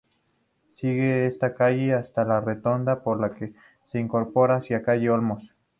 Sigue esta calle hasta la rotonda, por la que se incorpora hacia calle Olmos.